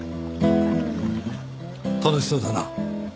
楽しそうだな。